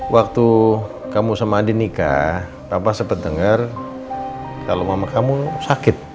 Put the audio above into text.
waktu kamu sama adi nikah papa sempat dengar kalau mama kamu sakit